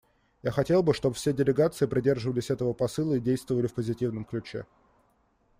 Я хотел бы, чтобы все делегации придерживались этого посыла и действовали в позитивном ключе.